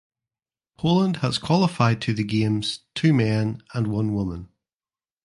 Poland has qualified to the games two men and one woman.